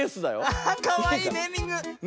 アハッかわいいネーミング。ね。